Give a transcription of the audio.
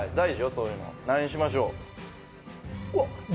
そういうの何にしましょう？